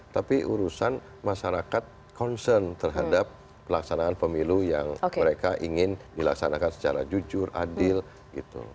tapi urusan masyarakat concern terhadap pelaksanaan pemilu yang mereka ingin dilaksanakan secara jujur adil gitu